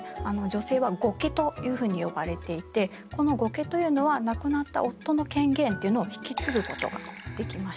女性は後家というふうに呼ばれていてこの後家というのは亡くなった夫の権限というのを引き継ぐことができました。